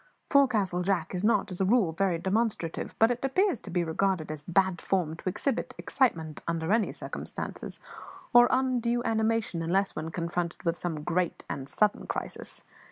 Forecastle Jack is not, as a rule, very demonstrative; it appears to be regarded as "bad form" to exhibit excitement under any circumstances, or undue animation unless when confronted with some great and sudden crisis.